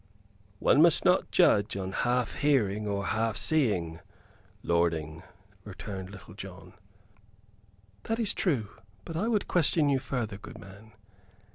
"One must not judge on half hearing or half seeing, lording," retorted Little John. "That is true, but I would question you further, good man.